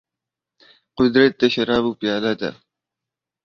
قدرت د شرابو پياله ده.